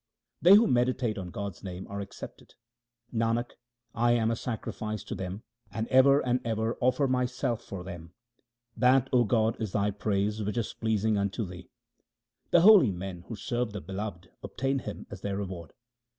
They who meditate on God's name are accepted : Nanak, I am a sacrifice to them, and ever and ever offer myself for them. That, 0 God, is Thy praise which is pleasing unto Thee. The holy men who serve the Beloved obtain Him as their reward.